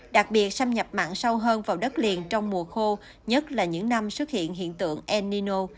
đặc biệt xâm nhập mặn sâu hơn vào đất liền trong mùa khô nhất là những năm xuất hiện hiện tượng el nino